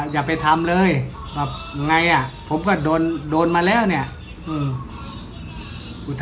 อย่าไปทำเลยแบบไงอ่ะผมก็โดนโดนมาแล้วเนี่ย